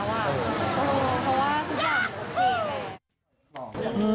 ตรงนี้เพราะว่าคือแบบโอเคแหละ